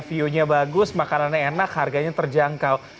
viewnya bagus makanannya enak harganya terjangkau